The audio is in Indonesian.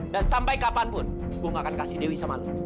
dan sampai kapanpun gue gak akan kasih dewi sama lu